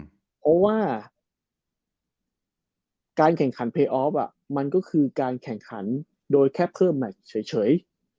เพราะว่าการแข่งขันเยยออฟมันก็คือการแข่งขันโดยแค่เพิ่มแมชเฉย